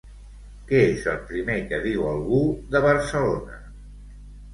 Què és el primer que diu algú de Barcelona?